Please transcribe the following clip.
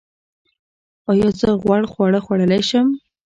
ایا زه غوړ خواړه خوړلی شم؟